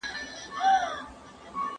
شاګرد به د ماخذونو لړۍ پراخه کړي.